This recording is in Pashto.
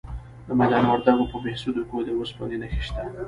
د میدان وردګو په بهسودو کې د اوسپنې نښې شته.